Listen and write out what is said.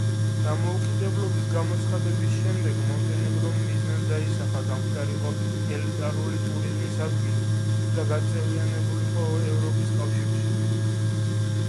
დამოუკიდებლობის გამოცხადების შემდეგ მონტენეგრომ მიზნად დაისახა გამხდარიყო ელიტარული ტურიზმის ადგილად და გაწევრიანებული ევროპის კავშირში.